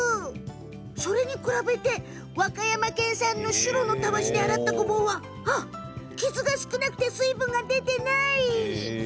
それに比べて和歌山県産のシュロのたわしで洗ったごぼうは傷が少なくて水分が出てない！